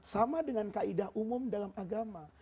sama dengan kaidah umum dalam agama